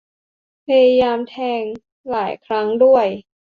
พยายามแทงหลายครั้งด้วย